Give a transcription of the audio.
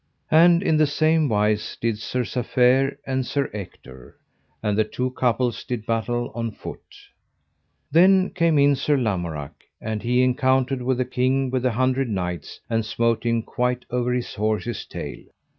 And in the same wise did Sir Safere and Sir Ector, and the two couples did battle on foot. Then came in Sir Lamorak, and he encountered with the King with the Hundred Knights, and smote him quite over his horse's tail.